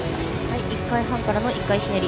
１回半からの１回ひねり。